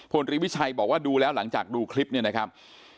ตรีวิชัยบอกว่าดูแล้วหลังจากดูคลิปเนี่ยนะครับ